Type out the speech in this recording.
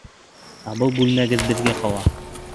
Ә был бүлмәгеҙ беҙгә ҡала.